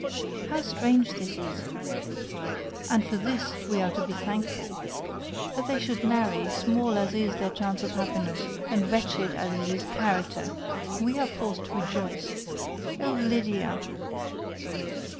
"How strange this is! and for this we are to be thankful. That they should marry, small as is their chance of happiness, and wretched as is his character, we are forced to rejoice! Oh, Lydia!"